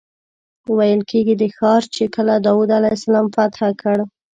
ویل کېږي دا ښار چې کله داود علیه السلام فتح کړ.